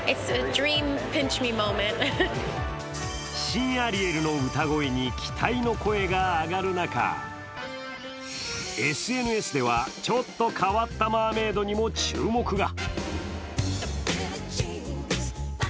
新アリエルの歌声に期待の声が上がる中、ＳＮＳでは、ちょっと変わったマーメイドにも注目が。